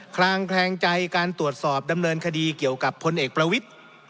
คลางแคลงใจการตรวจสอบดำเนินคดีเกี่ยวกับพลเอกประวิทธิ์